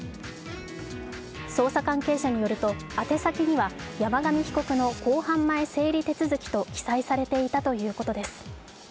捜査関係者によると宛て先には「山上被告の公判前整理手続」と記載されていたということです。